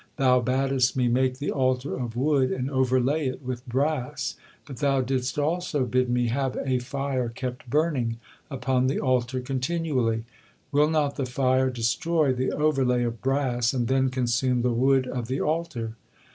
Thou badest me make the altar of wood and overlay it with brass, but Thou didst also bid me have 'a fire kept burning upon the altar continually.' Will not the fire destroy the overlay of brass, and then consume the wood of the altar?"